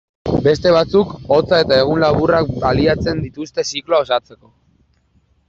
Beste batzuk, hotza eta egun laburrak baliatzen dituzte zikloa osatzeko.